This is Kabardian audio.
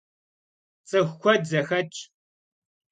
Ts'ıxu kued zexetş.